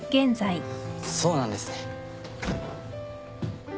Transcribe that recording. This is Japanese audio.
そうなんですね。